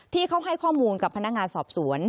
ที่เขาให้ข้อมูลกับพนักงานสอบสวน